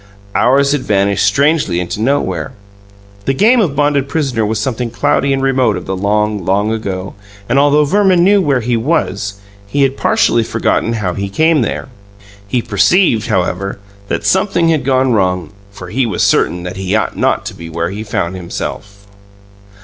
Hours had vanished strangely into nowhere; the game of bonded prisoner was something cloudy and remote of the long, long ago, and, although Verman knew where he was, he had partially forgotten how he came there. He perceived, however, that something had gone wrong, for he was certain that he ought not to be where he found himself.